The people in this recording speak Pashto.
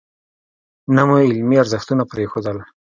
نه مو علمي ارزښتونه پرېښودل.